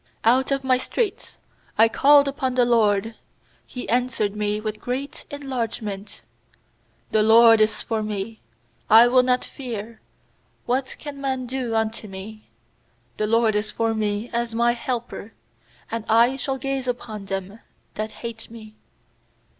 fiOut of my straits I called upon the LORD; He answered me with great en largement, i 6The LORD is forme; I will not fear; What can man do unto me? 7The LORD is for me as my helper; And I shall gaze upon them that hate me.